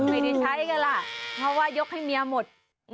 ไม่ได้ใช้กันล่ะเพราะว่ายกให้เมียหมด